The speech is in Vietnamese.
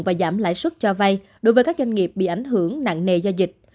và giảm lãi suất cho vay đối với các doanh nghiệp bị ảnh hưởng nặng nề do dịch